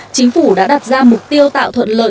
chính phủ đã đặt ra mục tiêu tạo thuận lợi